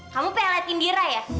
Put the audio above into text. kamu pelet indira ya